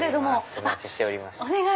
お待ちしておりました。